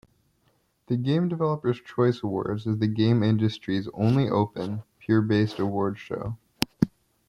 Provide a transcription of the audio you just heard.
The Game Developers Choice Awards is the game industry's only open, peer-based awards show.